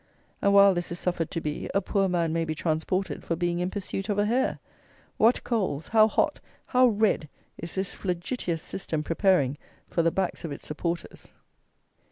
And while this is suffered to be, a poor man may be transported for being in pursuit of a hare! What coals, how hot, how red, is this flagitious system preparing for the backs of its supporters!